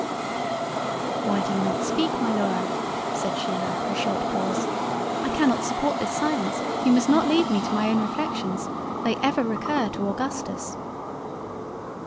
"Why do you not speak my Laura? (said she after a short pause) "I cannot support this silence you must not leave me to my own reflections; they ever recur to Augustus."